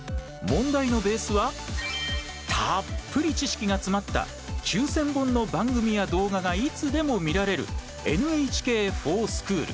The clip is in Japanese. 問題のベースはたっぷり知識が詰まった９０００本の番組や動画がいつでも見られるＮＨＫｆｏｒＳｃｈｏｏｌ。